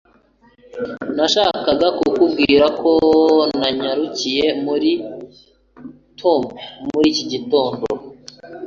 Nashakaga kukubwira ko nanyarukiye muri Tom muri iki gitondo